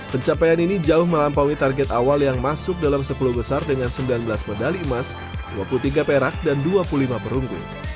pencapaian ini jauh melampaui target awal yang masuk dalam sepuluh besar dengan sembilan belas medali emas dua puluh tiga perak dan dua puluh lima perunggu